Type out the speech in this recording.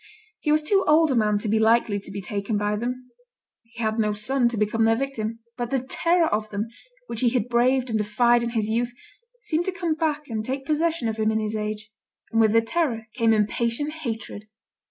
He was too old a man to be likely to be taken by them; he had no son to become their victim; but the terror of them, which he had braved and defied in his youth, seemed to come back and take possession of him in his age; and with the terror came impatient hatred.